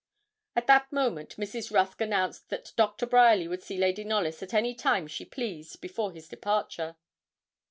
At that moment Mrs. Rusk announced that Doctor Bryerly would see Lady Knollys at any time she pleased before his departure.